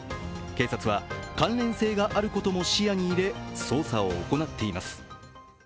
警察は関連性があることも視野に入れ、捜査を行っています。